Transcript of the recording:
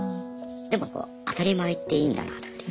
でもこう当たり前っていいんだなって。